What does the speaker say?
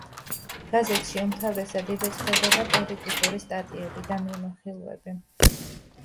გაზეთში უმთავრესად იბეჭდებოდა პოლიტიკური სტატიები და მიმოხილვები.